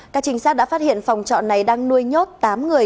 các trinh sát đã phát hiện phòng trọ này đang nuôi nhốt tám người